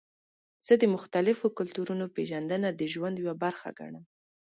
زه د مختلفو کلتورونو پیژندنه د ژوند یوه برخه ګڼم.